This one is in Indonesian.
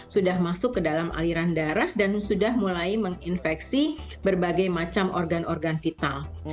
sudah masuk ke dalam aliran darah dan sudah mulai menginfeksi berbagai macam organ organ vital